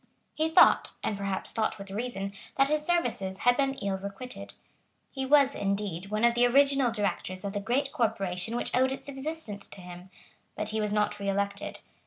He thought, and perhaps thought with reason, that his services had been ill requited. He was, indeed, one of the original Directors of the great corporation which owed its existence to him; but he was not reelected.